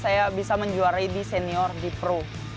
saya bisa menjuarai di senior di pro